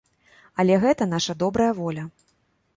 Але гэта наша добрая воля.